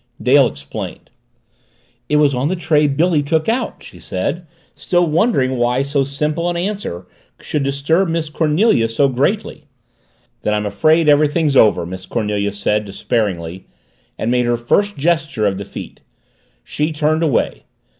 Dale explained. "It was on the tray Billy took out," she said, still wondering why so simple an answer should disturb Miss Cornelia so greatly. "Then I'm afraid everything's over," Miss Cornelia said despairingly, and made her first gesture of defeat. She turned away.